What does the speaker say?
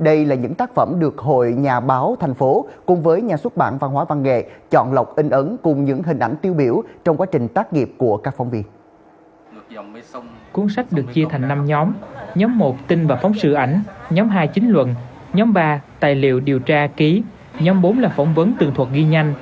dự ảnh nhóm hai chính luận nhóm ba tài liệu điều tra ký nhóm bốn là phỏng vấn tường thuật ghi nhanh